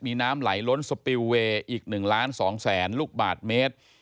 มีน้ำไหลล้นสปิลเวย์อีก๑ล้าน๒แสนลูกบาทเมตร